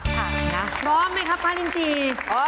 พร้อมไหมครับป้าลินจี